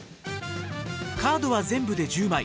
カードは全部で１０枚。